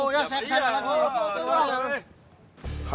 ya saya kesan